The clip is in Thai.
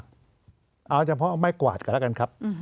เครื่องมือมากเอาเฉพาะไม้กวาดก็แล้วกันครับ